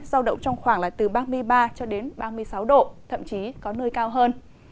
giao động trong khoảng từ ba mươi ba ba mươi sáu độ thậm chí có nơi cao hơn